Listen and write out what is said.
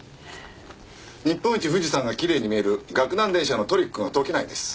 日本一富士山がきれいに見える岳南電車のトリックが解けないんです。